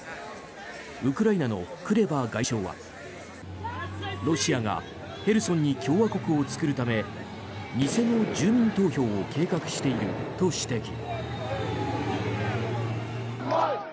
ウクライナのクレバ外相はロシアがヘルソンに共和国を作るため偽の住民投票を計画していると指摘。